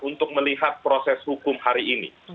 untuk melihat proses hukum hari ini